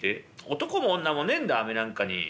「男も女もねえんだ飴なんかに。